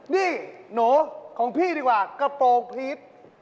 นี่หนูของพี่ดีกว่ากระโปรงพีช